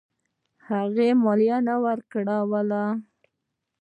هغه مالیه نه وه ورکړې.